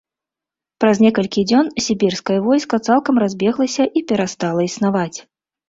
Праз некалькі дзён, сібірскае войска цалкам разбеглася і перастала існаваць.